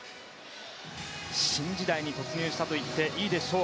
新時代に突入したといっていいでしょう